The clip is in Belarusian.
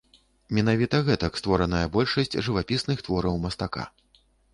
Менавіта гэтак створаная большасць жывапісных твораў мастака.